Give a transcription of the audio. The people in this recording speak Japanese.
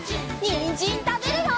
にんじんたべるよ！